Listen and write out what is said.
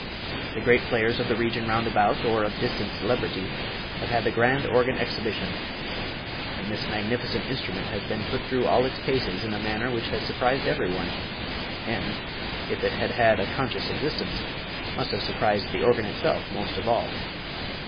The great players of the region round about, or of distant celebrity, have had the grand organ exhibition; and this magnificent instrument has been put through all its paces in a manner which has surprised every one, and, if it had had a conscious existence, must have surprised the organ itself most of all.